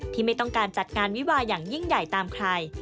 ไม่ต้องการจัดงานวิวาอย่างยิ่งใหญ่ตามใคร